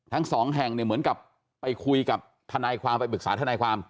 ทั้งสองแห่งเนี่ยเหมือนกับไปคุยกับทนายความไปปรึกษาทนายความ